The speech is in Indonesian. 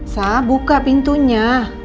sa buka pintunya